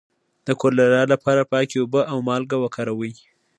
د کولرا لپاره پاکې اوبه او مالګه وکاروئ